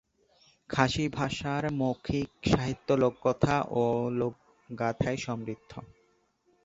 খাসি ভাষার মৌখিক সাহিত্য লোককথা ও লোকগাথায় সমৃদ্ধ।